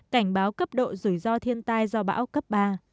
cảnh báo cấp độ rủi ro thiên tai do bão cấp ba